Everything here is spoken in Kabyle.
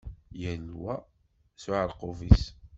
Yal wa s uεerqub-is.